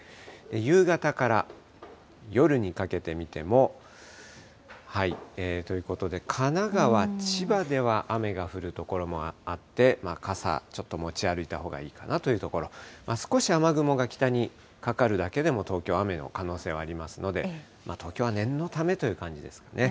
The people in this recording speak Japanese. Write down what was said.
夕方から夜にかけて見ても、ということで、神奈川、千葉では雨が降る所もあって、傘、ちょっと持ち歩いたほうがいいかなというところ、少し雨雲が北にかかるだけでも東京、雨の可能性がありますので、東京は念のためという感じですかね。